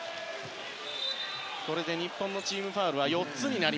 これで日本のチームファウルは４つ。